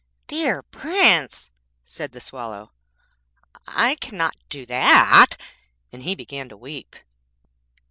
'Dear Prince,' said the Swallow,'I cannot do that;' and he began to weep.